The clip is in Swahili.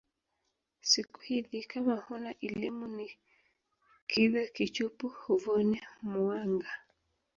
Siku hidhi kama huna ilimu ni kidha kichupu huvoni muangaa.